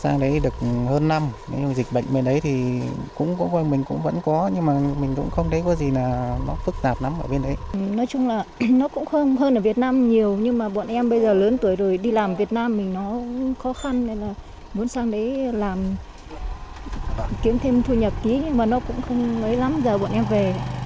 nó cũng hơn ở việt nam nhiều nhưng mà bọn em bây giờ lớn tuổi rồi đi làm việt nam mình nó khó khăn nên là muốn sang đấy làm kiếm thêm thu nhập ký nhưng mà nó cũng không lấy lắm giờ bọn em về